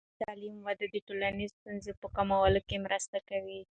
د تعلیم وده د ټولنیزو ستونزو په کمولو کې مرسته کوي.